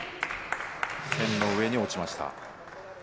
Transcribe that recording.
線の上に落ちました。